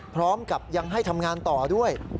พร้อมกับยังให้ทำงานต่อด้วย